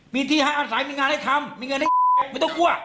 มีที่พักอาศัยมีงานให้ทำมีเงินให้ไม่ต้องกลัว